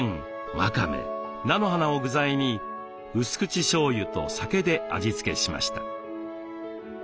わかめ菜の花を具材にうす口しょうゆと酒で味付けしました。